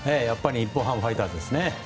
やっぱり日本ハムファイターズですね。